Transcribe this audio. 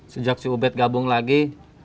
sejak si ubed gabung lagi